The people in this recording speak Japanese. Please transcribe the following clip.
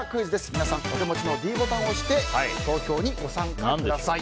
皆さん、お手持ちのリモコンのｄボタンを押して投票にご参加ください。